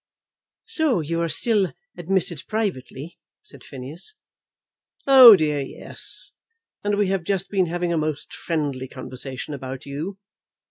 "So you are still admitted privately," said Phineas. "Oh dear yes, and we have just been having a most friendly conversation about you.